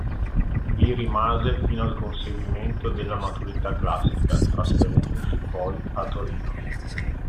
Vi rimase fino al conseguimento della maturità classica, trasferendosi poi a Torino.